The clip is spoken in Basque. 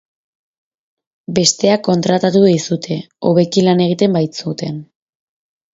Besteak kontratatu dituzte, hobeki lan egiten baitzuten.